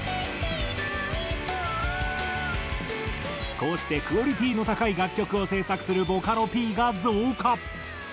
こうしてクオリティーの高い楽曲を制作するボカロＰが増加。